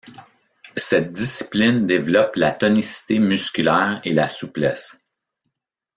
Cette discipline développe la tonicité musculaire et la souplesse.